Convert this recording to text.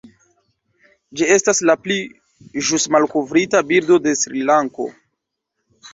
Ĝi estas la pli ĵus malkovrita birdo de Srilanko.